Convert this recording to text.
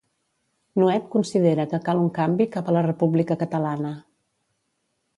Nuet considera que cal un canvi cap a la república catalana.